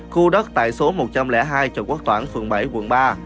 khu đất tại số một trăm linh hai trần quốc toản phường bảy quận ba